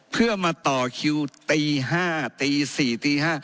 เพื่อมาต่อคิวตี๕ตี๔ตี๕